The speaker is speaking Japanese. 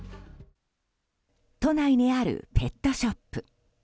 都内にあるペットショップ。